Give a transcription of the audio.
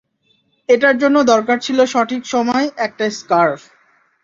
এটার জন্য দরকার ছিল সঠিক সময়, একটা স্কার্ফ।